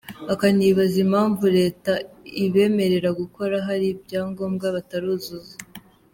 Akanibaza impamvu Leta ibemerera gukora hari ibyangombwa bataruzuza.